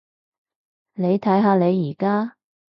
你睇下你而家？